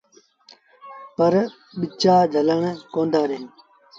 پر ٻچآ جھلڻ ڪوندآ ڏيݩ۔